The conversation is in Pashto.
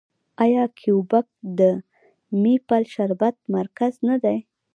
آیا کیوبیک د میپل شربت مرکز نه دی؟